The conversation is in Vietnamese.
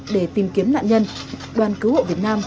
để tìm kiếm nạn nhân đoàn cứu hộ việt nam